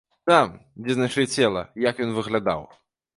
Там, дзе знайшлі цела, як ён выглядаў.